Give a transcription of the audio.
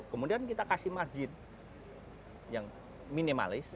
kemudian kita kasih margin yang minimalis